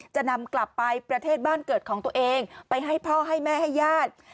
จะนำกลับไปประเทศบ้านเกิดของตัวเองไปให้พ่อให้แม่ให้ญาติ